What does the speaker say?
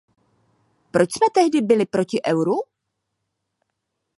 Proč jsme tehdy byli proti euru?